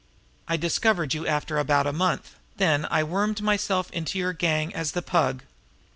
"I discovered you after about a month; then I wormed myself into your gang as the Pug.